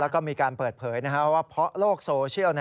แล้วก็มีการเปิดเผยว่าเพราะโลกโซเชียล